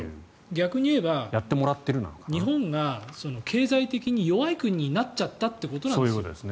逆に言えば日本が経済的に弱い国になっちゃったということなんです。